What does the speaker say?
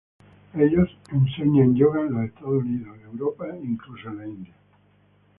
Ellos enseñan Yoga en Estados Unidos, Europa e incluso en la India.